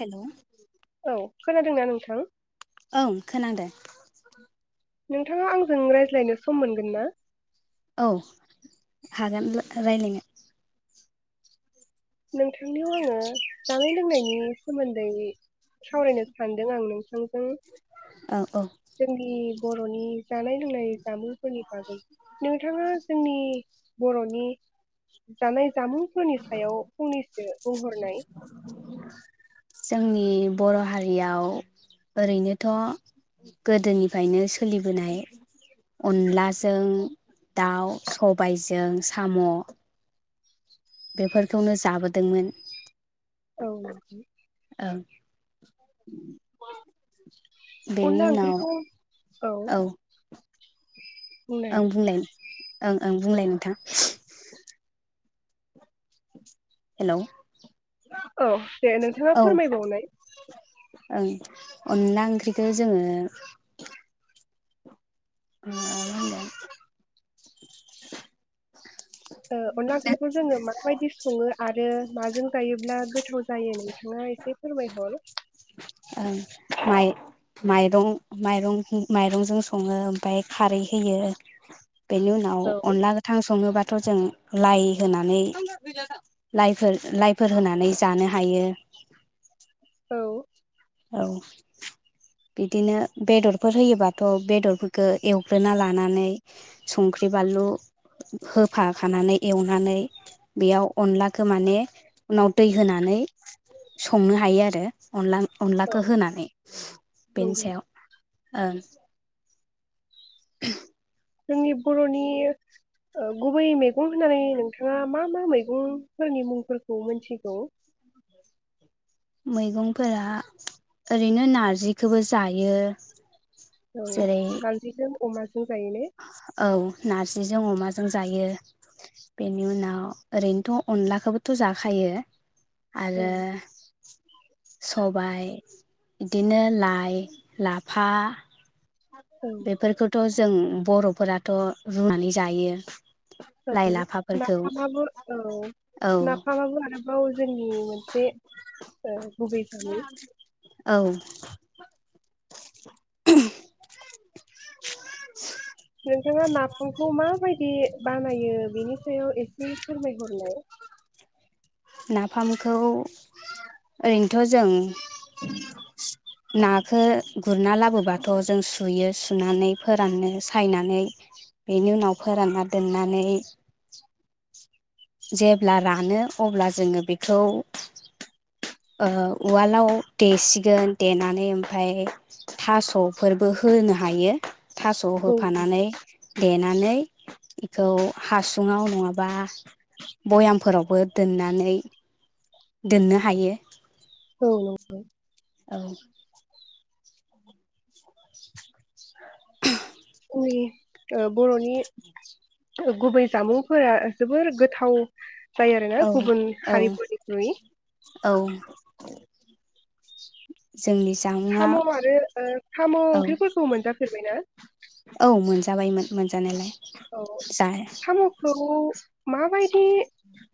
Hello औ खोनादोंना नोंथां? ओं खोनादो। नोंथाङा आंजों रायज्लायनो सम मोनगोन ना? औ हागोन ला रायलायनो। नोंथांनियाव आङो जानाय लोंनायनि सोमोन्दै सावरायनो सानदों आं नोंथांजों औ औ जोंनि बर'नि जानाय लोंनाय जामुंफोरनि बागै नोंथाङा जोंनि बर'नि जानाय जामुंफोरनि सायाव फंनैसो बुंहरनाय नि बर' हारियाव ओरैनोथ' गोदोनिफ्रायनो सोलिबोनाय अनलाजों दाउ, सबायजों साम' बेफोरखौनो जाबोदोंमोन। औ नोंथां ओं बेनि अनला उनाव ओंख्रिखौ औ बुंनाय आं बुंलाय ओं ओं बुंलाय नोंथां हेलौ औ दे नोंथाङा औ फोरमायबावनाय ओं अनला ओंख्रिखौ जोङो [unintelligible] ओ अनला ओंख्रिखौ जोङो माबायदि सङो आरो माजों जायोब्ला गोथाव जायो नोंथाङा एसे फोरमायहर ओं माइ-माइरं माइरं माइरंजों सङो ओमफ्राय खारै होयो। बेनि उनाव औ अनला गोथां सङोबाथ' जों लाइ होनानै लाइफोर लाइफोर होनानै जानो हायो। औ औ बिदिनो बेदरफोर होयोबाथ' बेदरफोरखौ एवग्रोना लानानै संख्रि बानलु होफाखानानै एवनानै बेयाव अनलाखौ माने उनाव दै होनानै संनो हायो आरो अनला औ अनलाखौ होनानै बेनि नंगौ सायाव ओं [unintelligible] जोंनि बर'नि ओ गुबै मेगं होननानै नोंथाङा मा मा मैगंफोरनि मुंफोरखौ मोनथिगौ? मैगंफोरा ओरैनो नारजिखौबो जायो। औ जेरै नारजिजों अमाज औ नारजिजों अमा जों जायो बेनि उनाव ओरैनोथ' अनलाखौबोथ' जाखायो औ आरो सबाय इदिनो लाइ लाफा औ बेफोरखौथ' जों बर'फोराथ' रुनानै जायो औ लाइ लाफाफोरखौ नाफामाबो औ औ नाफामाबो आरोबाव जोंनि मोनसे ओ गुबै जायो। औ [unintelligible] नोंथाङा नाफामखौ माबायदि बानायो बेनि सायाव ए से फोरमायहरलाय नाफामखौ ओरैनोथ' जों नाखो गुरना लाबोबाथ' जों सुयो सुनानै फोरानो सायनानै बेनि उनाव फोरानना दोननानै जेब्ला रानो अब्ला जोङो बेखौ ओ उवालाव देसिगोन देनानै ओमफ्राय थास'फोरबो होनो हायो। थास' औ होफानानै देनानै इखौ हासुङाव नङाबा बयामफोरावबो दोननानै दोननो हायो। औ [inaudible] औ [unintelligible] ओ बर'नि गुबै जामुंफोरा जोबोर गोथाव जायो आरोना औ गुबुन औ हारिफोरनिख्रुइ औ जोंनि जामुंआ साम' आरो ओ साम' औ ओंख्रिफोरखौ मोनजा फेरबायना? औ मोनजाबायमोन मोनजानायालाय। औ जा साम'खौ माबायदि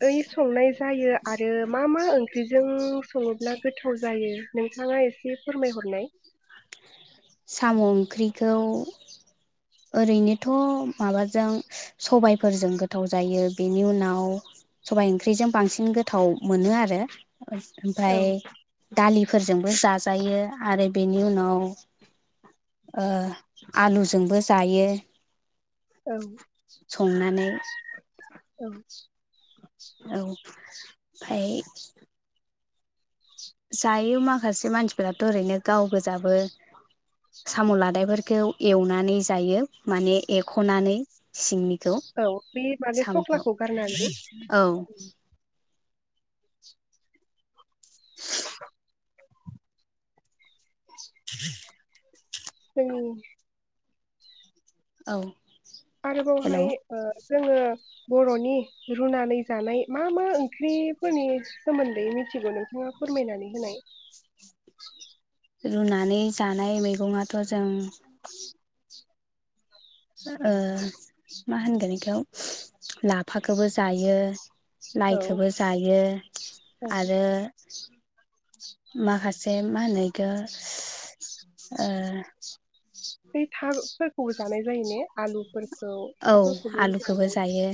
ओइ संनाय जायो आरो मा मा ओंख्रिजों सङोब्ला गोथाव जायो नोंथाङा एसे फोरमायहरनाय। साम' ओंख्रिखौ ओरैनोथ' माबाजों सबायफोरजों गोथाव जायो बेनि उनाव सबाय ओंख्रिजों बांसिन गोथाव मोनो आरो। ओ ओमफ्राय औ दालि फोरजोंबो जाजायो आरो बेनि उनाव ओ आलुजोंबो जायो। औ संनानै। औ औ ओमफाय जायो माखासे मानसिफोराथ' ओरैनो गाव गोजाबो साम' लादायफोरखौ एवनानै जायो माने एख'नानै सिंनि औ बे माने सख्लाखौ गारनानै। औ [unintelligible] [unintelligible] जोंनि औ। हेल' आरोबावहाय ओ जोङो बर'नि रुनानै जानाय मा मा ओंख्रिफोरनि सोमोन्दै मिथिगौ नोंथाङा फोरमायनानै होनाय। रुनानै जानाय मैगङाथ' जों ओ मा होनगोन इखौ लाफाखौबो जायो। औ लायखोबो जायो आरो माखासे मा होनो इखो ओ बै थार फोरखौबो जानाय जायो ने आलुफोर औ फोरखौ आलुखौबो जायो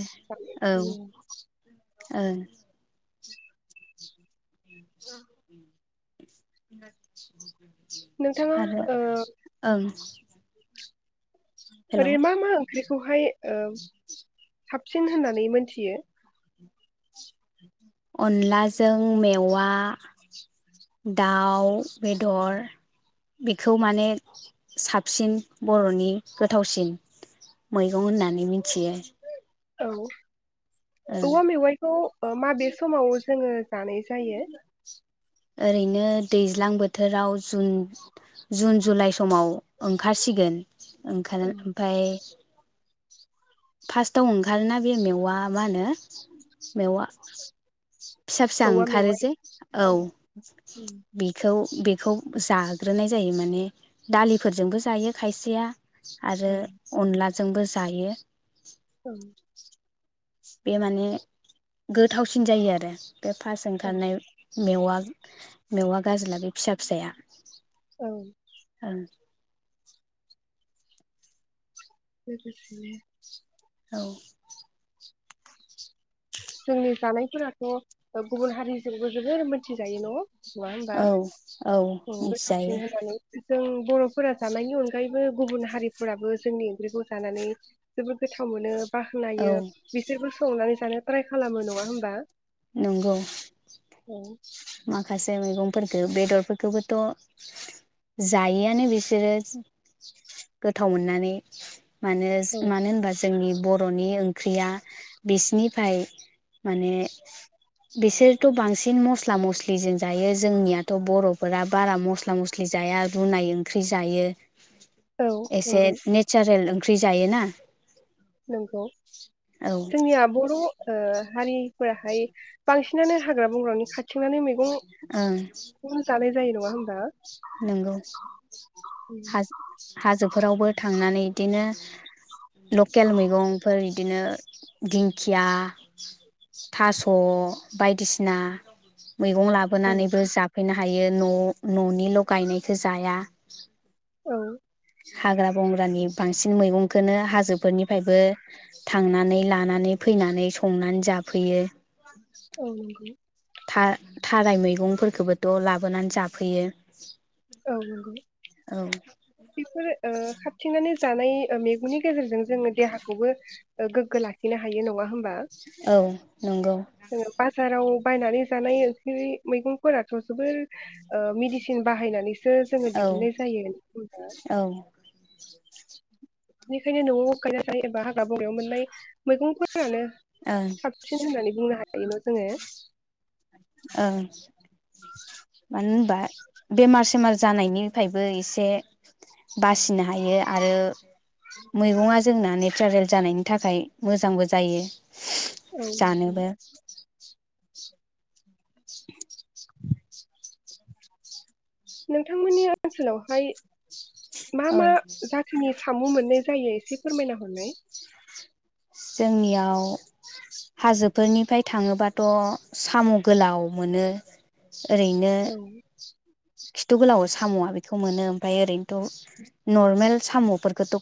औ [unintelligible] ओं। [unintelligible] नोंथाङा आरो ओ ओं। हेलौ ओरै मामा ओंख खौहाय ओ साबसिन होननानै मोनथियो? अनलाजों मेवा दाउ बेदर बेखौ माने साबसिन बर'नि गोथावसिन मैगं होननानै मिनथियो। औ। औवा मेवाइखौ ओ माबे समाव जोङो जानाय जायो? ओरैनो दैज्लां बोथोराव जुन जुन जुलाइ समाव ओंखारसिगोन। औ ओंखारो ओमफाय फार्स्टआव ओंखारोना बे मेवआ मा होनो मेवा। फिसा फिसा औवा ओंखारो मेवाइ जे औ बिखौ बेखौ जाग्रोनाय जायो माने दालिफोरजोंबो जायो खायसेया। औ आरो अनला जोंबो जायो ओं बे माने गोथावसिन जायो आरो बे फास औ ओंखारनाय मेवा मेवा गाजोला बे फिसा फिसाया औ ओं लोगोसेनो औ जोंनि जानायफोराथ' गुबुन हारिजोंबो जोबोर मोनथिजायो न नङा होमबा औ औ मिथिजायो गोथौसिन होनानै जों बर'फोरा जानायनि अनगायैबो गुबुन हारिफोराबो जोंनि ओंख्रिखौ जानानै जोबोद गोथाव मोनो। औ बाखायो बिसोरबो संनानै जानो ट्राइ खालामो नङा होमबा नंगौ औ माखासे मैगंफोरखौ बेदरफोरखौबोथ' जायिआनो बिसोरो गोथाव मोननानै मानो औ मानो होमबा जोंनि बर'नि ओंख्रिया बिसिनिफ्राय माने बिसोरथ' बांसिन मस स्ला मस्लिजों जायो जोंनियाथ' बर'फोरा बारा मस्ला मस्लि जाया रुनाय ओंख्रि जायो। औ एसे नंगौ नेचारेल ओं ख्रि जायोना नोंगौ औ जोंनिया बर' ओ हारिफोराहाय बांसिनानो हाग्रा बंग्रानि खा थिंनानै ओं मैगं जानाय जायो नङा होमबा नंगौ हा-हाजोब फोरावबो थांनानै बिदिनो लकेल मैगंफोर बिदिनो दिंखिया थास' बायदिसिना मैगं उम लाबोनानैबो जाफैना हायो न' न'निल' गायनायखौ जाया औ हाग्रा-बंग्रानि बांसिन मैगंखौनो हाजोफोरनिफ्रायबो थांनानै लानानै फैनानै संनानै जाफैयो। औ नंगौ था थाराय मैगंफोरखौबोथ' लाबोनानै जाफैयो। औ नंगौ औ बेफोर ओ खारथिंनानै जानाय मैगंनि गेजेरजों जोंङो देहाखौबो गोग्गो लाखिनो हायो नंङा होमबा औ नंगौ जोङो बाजाराव बायनानै जानाय ओंख्रि मैगंफोराथ' जोबोर ओ मेदिसिन बाहायनानै सो जोंङो औ दिहुननाय जायो। औ बेनिखायनो न'आव गायना जायो एबा हाग्रा बंग्रायाव मोननाय मैगं फोरानो ओं ओं साबसिन होननानै बुंनो हायो [unintelligible] ओं मानो होनबा बेमार सेमार जानायनिफ्रायबो एसे बासिनो हायो आरो मैगंङा जोंना नेचारेल जानायनि थाखाय मोजांबो जायो। औ जानोबो [unintelligible] नोंथांमोननि ओनसोलावहाय मा औ मा जाथोनि साम' मोननाय जायो एसे फोरमायना हरलाय जोंनियाव हाजोफोरनिफ्राय थांङोबाथ' साम' गोलाव मोनो ओरैनो औ खिथु गोलाव साम'आ बेखौ मोनो ओमफ्राय ओरैनोथ' नर्मेल साम'फोरखौथ'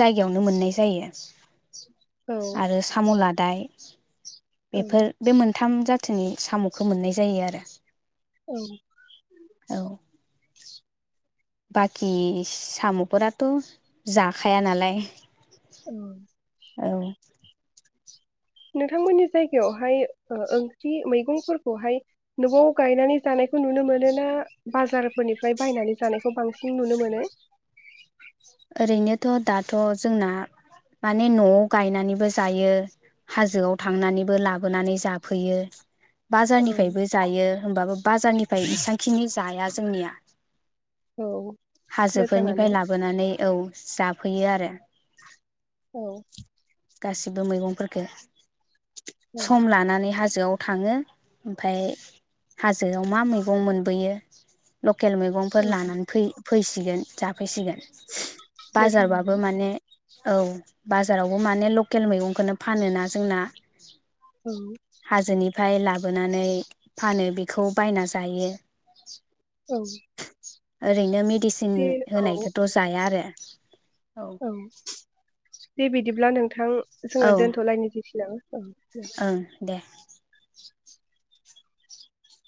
जायगायावनो मोननाय जायो औ आरो साम'ला दाय औ बेफोर बे मोन थाम जाथिनि साम'खौ मोननाय जायो आरो औ औ बाखि साम'फोराथ' जाखाया नालाय औ औ नोंथांमोननि जायगायावहाय ओ ओंख्रि मैगंफोरखौहाय न'आव गायनानै जानायखौ नुनो मोनो ना बाजारफोरनिफ्राय बायनानै जानायखौ बांसिन नुनो मोनो ओरैनोथ' दाथ' जोंना माने न'आव गायनानैबो जायो हाजोआव थांनानैबो लाबोनानै जाफैयो औ बाजारनिफ्रायबो जायो होमबाबो बाजारनिफ्राय एसेबांखिनि जाया जोंनिया औ मोजाङानो हाजोफोरनिफ्राय लाबोनानै औ जाफैयो आरो औ गासिबो मैगंफोरफोरखौ औ सम लानानै हाजोआव थांङो ओमफाय हाजोआव मा मैगं मोनबोयो लकेल मैगंफोर औ लानानै फैय फैसिगोन जाफैसिगोन बाजारबाबो मोजाङानो माने औ बाजाराव। अ माने लकेल मैगंखौनो फानोना जोंना। औ हा जोनि। फाय लाबोनानै फानो बेखौ बायना जायो। औ। ओरैनो मिट डिसिन दे औ औ होनायखौथ' जाया आरो। औ। दे बिदिब्ला नों। नोंथां जोङो औ दोनथ'लायनसिसै दां औ दे। ओं दे।